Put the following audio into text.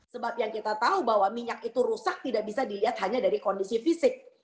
sebab yang kita tahu bahwa minyak itu rusak tidak bisa dilihat hanya dari kondisi fisik